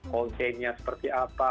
wall chain nya seperti apa